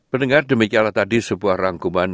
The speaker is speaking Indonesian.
mendengar demikianlah tadi sebuah rangkuman